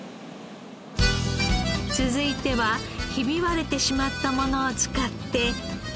続いてはひび割れてしまったものを使って。